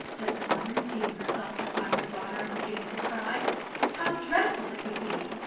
said the mother, seating herself beside her daughter and beginning to cry: "How dreadful it would be!"